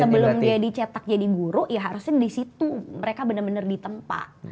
sebelum dia dicetak jadi guru ya harusnya di situ mereka benar benar ditempa